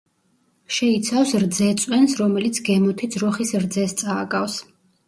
შეიცავს რძეწვენს, რომელიც გემოთი ძროხის რძეს წააგავს.